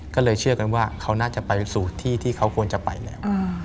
ก็เลยเชื่อกันว่าเขาน่าจะไปสู่ที่ที่เขาควรจะไปแล้ว